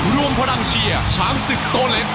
รวมพลังเชียร์ช้างศึกโตเล็ก